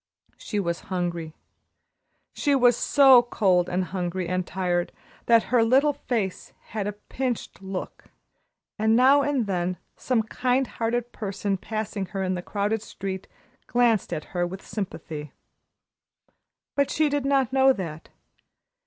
She was very hungry. She was so cold and hungry and tired that her little face had a pinched look, and now and then some kind hearted person passing her in the crowded street glanced at her with sympathy. But she did not know that.